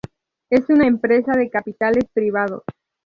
Es una empresa de capitales privados.